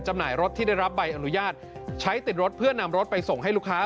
หน่ายรถที่ได้รับใบอนุญาตใช้ติดรถเพื่อนำรถไปส่งให้ลูกค้า